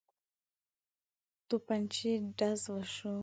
توپنچې ډز وشو.